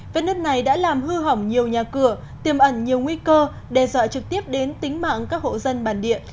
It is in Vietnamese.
vết nứt này đã làm hư hỏng nhiều nhà cửa tiêm ẩn nhiều nguy cơ đe dọa trực tiếp đến tính mạng các hộ dân bản địa